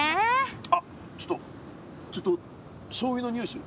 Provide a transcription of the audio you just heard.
あっちょっとちょっとしょうゆの匂いする。